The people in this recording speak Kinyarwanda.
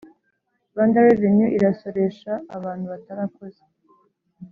Rwanda revenue irasoresha abantu batarakoze